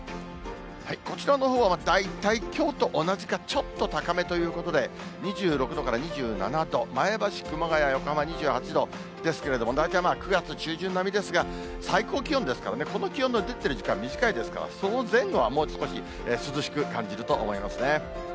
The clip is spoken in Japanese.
こちらのほうは大体きょうと同じか、ちょっと高めということで、２６度から２７度、前橋、熊谷、横浜２８度、ですけれども、大体９月中旬並みですから、最高気温ですからね、この気温の出てる時間短いですから、その前後はもう少し涼しく感じると思いますね。